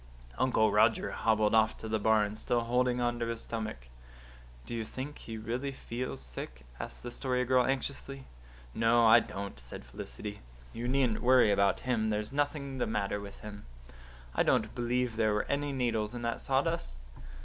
Uncle Roger hobbled off to the barn, still holding on to his stomach. "Do you think he really feels sick?" asked the Story Girl anxiously. "No, I don't," said Felicity. "You needn't worry over him. There's nothing the matter with him. I don't believe there were any needles in that sawdust.